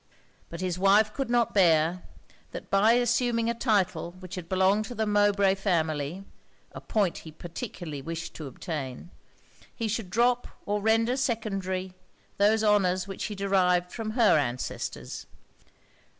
But his wife could not bear, that by assuming a title which had belonged to the Mowbray family, (a point he particularly wished to obtain) he should drop or render secondary those honours which he derived from her ancestors.